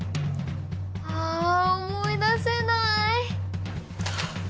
あ思い出せない！